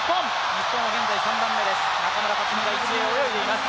日本は現在３番目です中村克が現在、泳いでいます。